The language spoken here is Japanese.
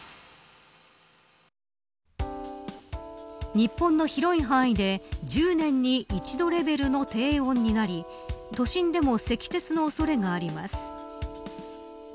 日本の広い範囲で１０年に一度レベルの低温になり都心でも積雪の恐れがあります。